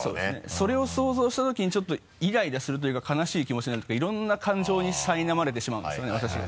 それを想像した時にちょっとイライラするというか悲しい気持ちになるっていうかいろんな感情にさいなまれてしまうんですよね私が。